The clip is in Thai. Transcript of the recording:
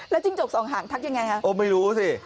จิ้งจกสองหางทักยังไงฮะโอ้ไม่รู้สิ